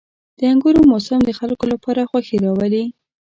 • د انګورو موسم د خلکو لپاره خوښي راولي.